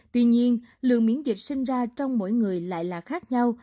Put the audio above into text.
tuy nhiên lượng miễn dịch sinh ra trong mỗi người lại là khác nhau